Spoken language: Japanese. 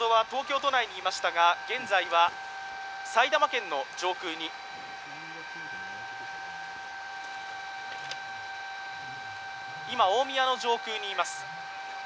東京都内にいましたが、現在は埼玉県の上空に大宮の状況にいます。